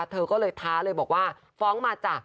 เธอก็เลยท้าเลยบอกว่าฟ้องมาจ้ะ